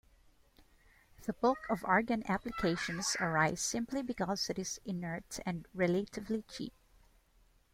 The bulk of argon applications arise simply because it is inert and relatively cheap.